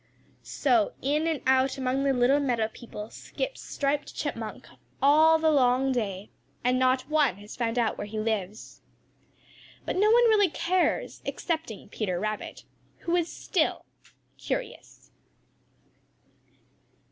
So in and out among the little meadow people skips Striped Chipmunk all the long day, and not one has found out where he lives. But no one really cares excepting Peter Rabbit, who is still curious.